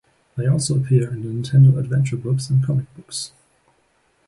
They also appear in the Nintendo Adventure Books and comic books.